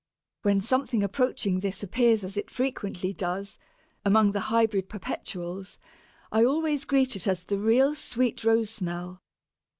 When something approaching this appears, as it frequently does, among the hybrid perpetuals, I always greet it as the real sweet Rose smell.